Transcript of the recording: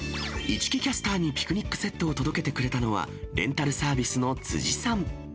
市來キャスターにピクニックセットを届けてくれたのは、レンタルサービスの辻さん。